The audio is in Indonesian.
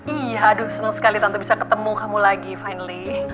ih aduh seneng sekali tante bisa ketemu kamu lagi akhirnya